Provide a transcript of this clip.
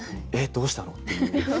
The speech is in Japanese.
どうしたの？」っていう。